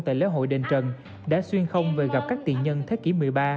tại lễ hội đền trần đã xuyên không về gặp các tiện nhân thế kỷ một mươi ba